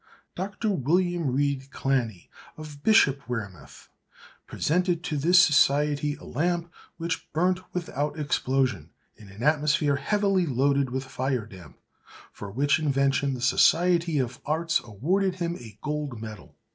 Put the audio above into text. Dr. William Reid Clanny, of Bishopwearmouth, presented to this society a lamp which burnt without explosion in an atmosphere heavily loaded with fire damp; for which invention the Society of Arts awarded him a gold medal.